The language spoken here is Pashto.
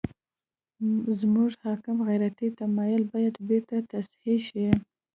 زموږ حاکم غیرتي تمایل باید بېرته تصحیح شي.